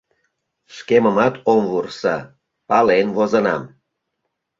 Шкемымат ом вурсо — пален возынам.